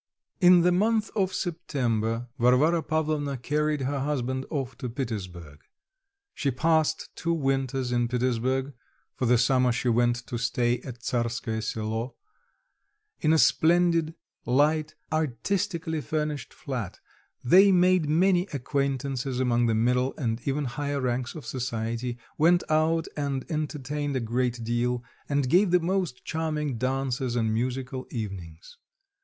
In the month of September, Varvara Pavlovna carried her husband off to Petersburg. She passed two winters in Petersburg (for the summer she went to stay at Tsarskoe Selo), in a splendid, light, artistically furnished flat; they made many acquaintances among the middle and even higher ranks of society; went out and entertained a great deal, and gave the most charming dances and musical evenings.